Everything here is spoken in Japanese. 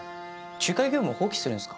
仲介業務を放棄するんですか。